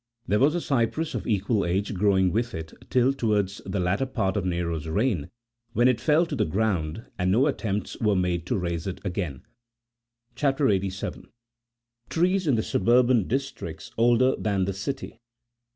61 There was a cypress of equal age growing with it till towards the latter part of Nero's reign, when it fell to the ground, and no attempts were made to raise it again. CHAP. 87. TREES IN THE SUBURBAN DISTRICTS OLDER THAN THE CITY.